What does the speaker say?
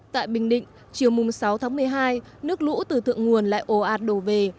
tại bình định chiều sáu tháng một mươi hai nước lũ từ thượng nguồn lại ồ ạt đổ về